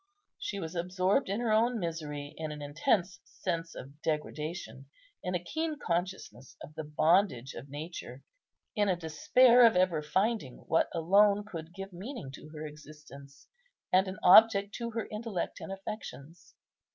She was absorbed in her own misery in an intense sense of degradation, in a keen consciousness of the bondage of nature, in a despair of ever finding what alone could give meaning to her existence, and an object to her intellect and affections.